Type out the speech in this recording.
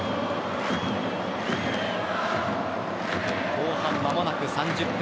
後半、間もなく３０分。